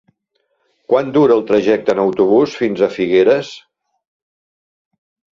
Quant dura el trajecte en autobús fins a Figueres?